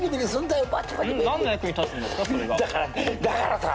だからさ。